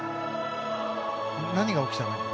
何が起きたの？